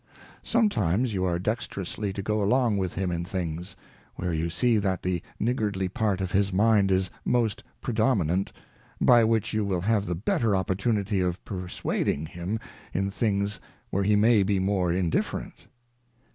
| Sometimes you are dexterously to go along with him in things, where you see that the niggardly part of his Mind is most predominant, by which you will have the better opportunity of perswading him in things where he may be more indifferent.